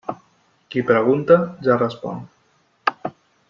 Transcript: Qui pregunta, ja respon.